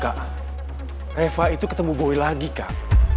kak reva itu ketemu boy lagi kak